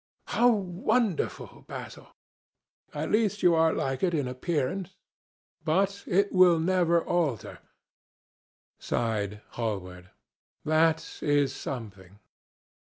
"How wonderful, Basil!" "At least you are like it in appearance. But it will never alter," sighed Hallward. "That is something."